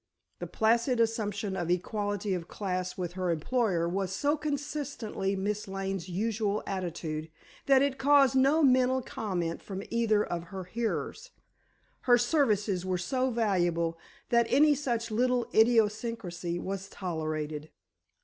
The placid assumption of equality of class with her employer was so consistently Miss Lane's usual attitude, that it caused no mental comment from either of her hearers. Her services were so valuable that any such little idiosyncrasy was tolerated.